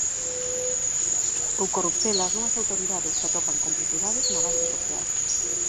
Ou corruptelas dunhas autoridades que atopan complicidades na base social.